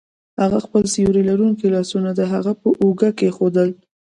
هغه خپل سیوري لرونکي لاسونه د هغه په اوږه کیښودل